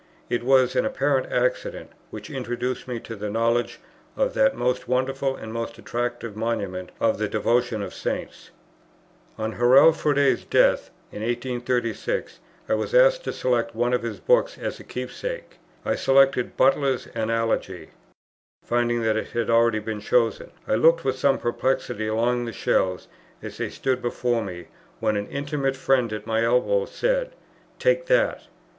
It was an apparent accident, which introduced me to the knowledge of that most wonderful and most attractive monument of the devotion of saints. On Hurrell Froude's death, in 1836, I was asked to select one of his books as a keepsake. I selected Butler's Analogy; finding that it had been already chosen, I looked with some perplexity along the shelves as they stood before me, when an intimate friend at my elbow said, "Take that."